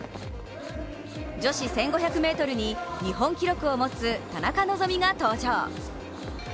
女子１５００ｍに日本記録を持つ田中希実が登場。